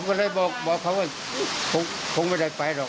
พี่เขาว่านี่แล้วได้ขอโทษคุณลุงไว้แล้วนะพี่ครับ